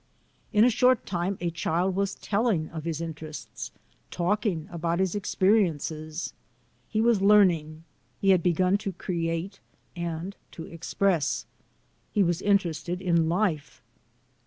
In a short time a child was telling of his interests, talking about his experiences. He was learning; he had begun to create and to express. He was interested in life.